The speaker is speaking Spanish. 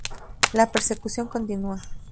La persecución continúa.